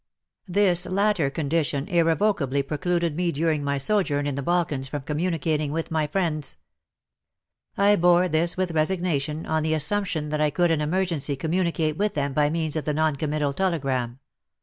This latter condition •» o t> e J WAR AND WOMEN 137 irrevocably precluded me during my sojourn in the Balkans from communicating with my friends. / bore this with resignation, on the assumption that I could in emergency com municate with them by means of the non committal telegram.